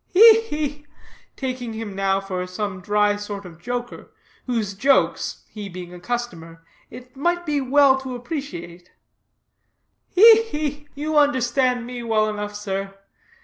"He, he!" taking him now for some dry sort of joker, whose jokes, he being a customer, it might be as well to appreciate, "he, he! You understand well enough, sir.